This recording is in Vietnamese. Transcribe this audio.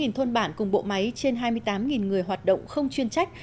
với gần sáu thôn bản cùng bộ máy trên hai mươi tám người hoạt động không chuyên trách